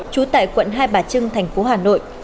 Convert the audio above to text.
trú tại quận hai bà trưng thành phố hà nội